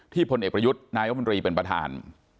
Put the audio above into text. ที่พลเอกประยุทธ์นายอบริเป็นประธาน